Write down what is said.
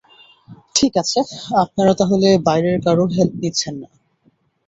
ঠিক আছে, আপনারা তাহলে বাইরের কারো হেল্প নিচ্ছেন না।